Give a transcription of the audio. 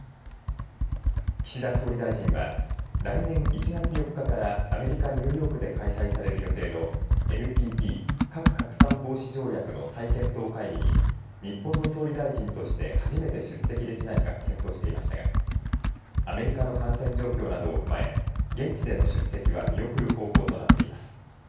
岸田総理大臣は来年１月４日からアメリカ・ニューヨークで開催される予定のＮＰＴ・核拡散防止条約の再検討会議に日本の総理大臣として初めて出席できないか検討していましたがアメリカの感染状況などを踏まえ現地での出席は見送る方向となっています。